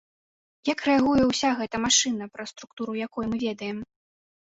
Як рэагуе ўся гэтая машына, пра структуру якой мы ведаем?